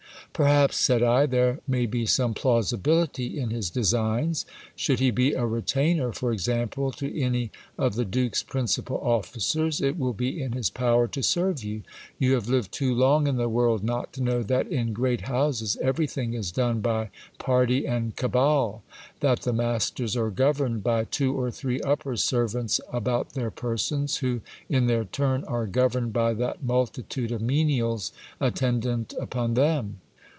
Perhaps, said I, there may be some plausibility in his designs. Should he be a retainer, for example, to any of the duke's principal officers, it will be in his power to serve you. You have lived too long in the world not to know that in great houses everything is done by party and cabal ; that the masters are governed by two or three upper servants about their persons, who, in their turn, are governed by that multitude of menials attendant upon them.